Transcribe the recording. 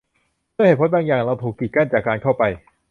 ด้วยเหตุผลบางอย่าง เราถูกกีดกันจากการเข้าไป